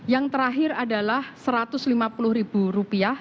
yang terakhir adalah rp satu ratus lima puluh